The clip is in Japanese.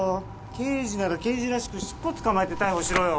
刑事なら刑事らしくシッポ捕まえて逮捕しろよ